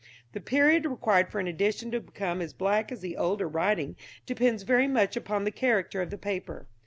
The period required for an addition to become as black as the older writing depends very much upon the character of the paper.